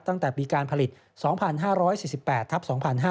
ตั้งแต่ปีการผลิต๒๕๔๘ทับ๒๕๕๙